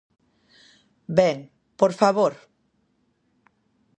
Ben, ¡por favor!